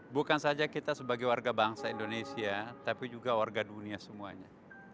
bukan saja kita sebagai warga bangsa indonesia tapi juga warga dunia semuanya